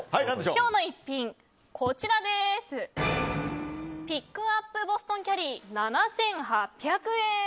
今日の逸品ピックアップボストンキャリー７８００円。